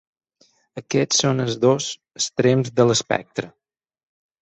Aquests són els dos extrems de l’espectre.